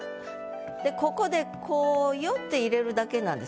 でここで「子よ」って入れるだけなんです。